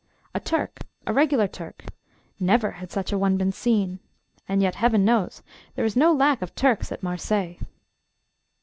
A Turk, a regular Turk never had such a one been seen; and yet, Heaven knows, there is no lack of Turks at Marseilles.